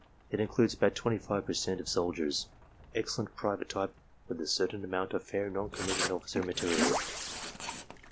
It includes about twenty five per cent of soldiers. Excellent private type with a certain amount of fair non commissioned officer material.